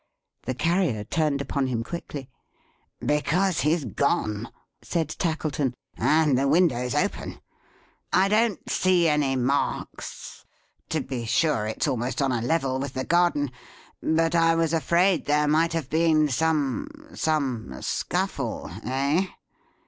The Carrier turned upon him quickly. "Because he's gone!" said Tackleton; "and the window's open. I don't see any marks to be sure it's almost on a level with the garden: but I was afraid there might have been some some scuffle. Eh?"